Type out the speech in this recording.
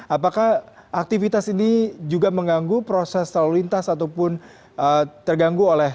apakah aktivitas ini juga mengganggu proses lalu lintas ataupun terganggu oleh